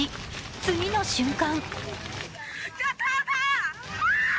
次の瞬間